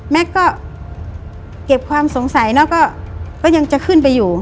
แม็คก็เก็บความสงสัยนะก็ยังจะขึ้นไปอยู่